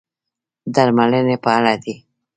درملنې په اړه دي.